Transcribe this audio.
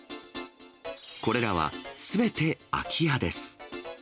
これらはすべて空き家です。